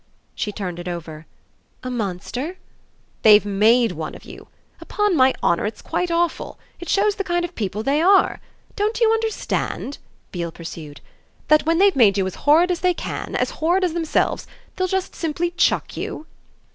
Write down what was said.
She turned it over. "A monster?" "They've MADE one of you. Upon my honour it's quite awful. It shows the kind of people they are. Don't you understand," Beale pursued, "that when they've made you as horrid as they can as horrid as themselves they'll just simply chuck you?"